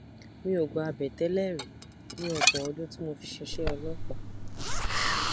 Mí ò gba àbẹ́tẹ́lẹ̀ rí ní ọgbọ̀n ọdún ti mo fi ṣíṣẹ́ ọlọ́pàá.